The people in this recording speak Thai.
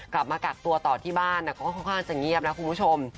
กลับมากักตัวต่อที่บ้านก็ค่อนข้างจะเงียบนะคุณผู้ชม